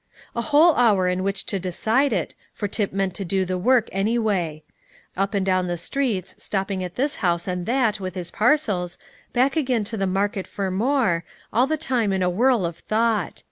A whole hour in which to decide it, for Tip meant to do the work any way. Up and down the streets, stopping at this house and that with his parcels, back again to the market for more, all the time in a whirl of thought.